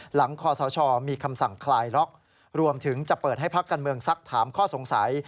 คอสชมีคำสั่งคลายล็อกรวมถึงจะเปิดให้พักการเมืองซักถามข้อสงสัย